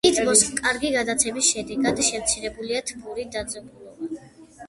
სითბოს კარგი გადაცემის შედეგად შემცირებულია თბური დაძაბულობა.